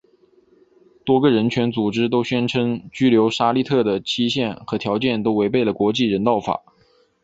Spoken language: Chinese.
多个人权组织都宣称拘留沙利特的期限和条件都违背了国际人道法。